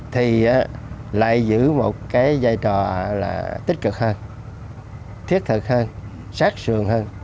thì lại giữ một cái giai trò là tích cực hơn thiết thực hơn sát sườn hơn